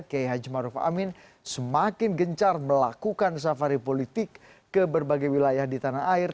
kiai haji maruf amin semakin gencar melakukan safari politik ke berbagai wilayah di tanah air